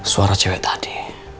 suara cewek tadi